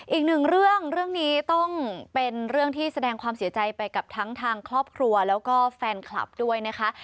อีกหนึ่งเรื่องเรื่องนี้ต้องเป็นเรื่องที่แสดงความเสียใจไปกับทั้งทางครอบครัวแล้วก็แฟนคลับด้วยนะคะ